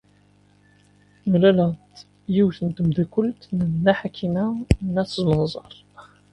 Mlaleɣ-d yiwet n tmeddakelt n Nna Ḥakima n At Zmenzer.